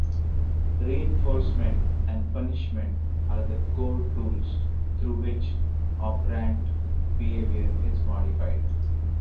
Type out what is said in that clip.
Reinforcement and punishment are the core tools through which operant behavior is modified.